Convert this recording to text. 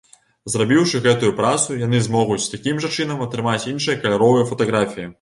Зрабіўшы гэтую працу, яны змогуць такім жа чынам атрымаць іншы каляровыя фатаграфіі.